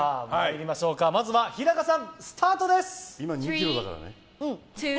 まずは日高さんスタートです！